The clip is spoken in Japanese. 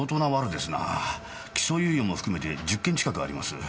起訴猶予も含めて１０件近くあります。